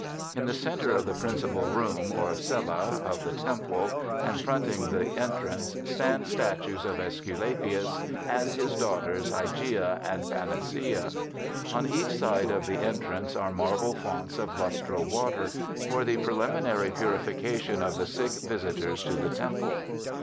In the centre of the principal room, or cella, of the temple, and fronting the entrance, stand statues of ^Esculapius, and his daughters, Hygiea and Panacea. On each side of the entrance are marble fonts of lustral water, for the preliminary purification of the sick visitors to the temple.